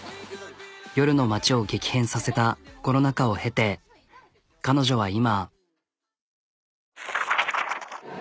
夜の街を激変させたコロナ禍を経て彼女は今。